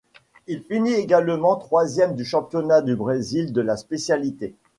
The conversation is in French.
Il finit également troisième du Championnat du Brésil de la spécialité.